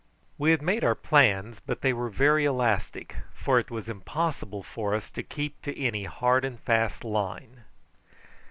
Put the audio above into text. We had made our plans, but they were very elastic, for it was impossible for us to keep to any hard and fast line.